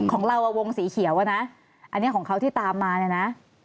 ของเราวงสีเขียวอะนะอันนี้ของเขาที่ตามมาเนี่ยนะ